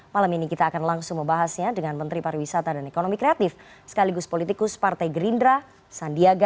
malam ini kita akan langsung membahasnya dengan menteri pariwisata dan ekonomi kreatif sekaligus politikus partai gerindra sandiaga